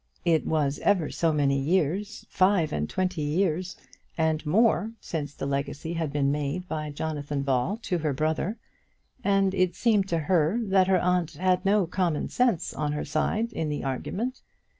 It was ever so many years, five and twenty years, and more since the legacy had been made by Jonathan Ball to her brother, and it seemed to her that her aunt had no common sense on her side in the argument.